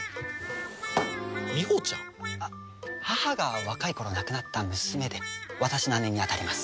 母が若い頃亡くなった娘で私の姉にあたります。